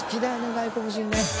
外国人ね。